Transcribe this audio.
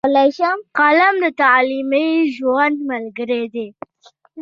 قلم د تعلیمي ژوند ملګری دی.